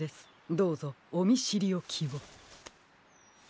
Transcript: どうぞおみしりおきを。